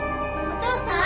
お父さん！